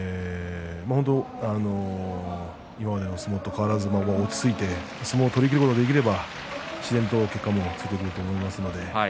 今までの相撲と変わらずに落ち着いて相撲を取りきることができれば自然と結果がついてくると思います。